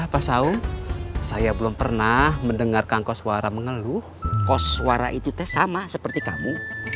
pak saung saya belum pernah mendengar kang kos suara mengeluh kos suara itu sama seperti kamu